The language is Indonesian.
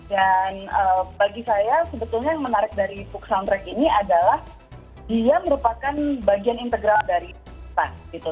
dan bagi saya sebetulnya yang menarik dari book soundtrack ini adalah dia merupakan bagian integral dari setan gitu